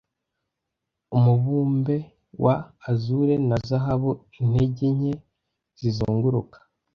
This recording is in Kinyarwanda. umubumbe wa azure na zahabu intege nke zizunguruka